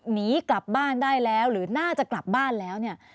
หนีกลับบ้านได้แล้วหรือน่าจะกลับบ้านแล้วเนี่ย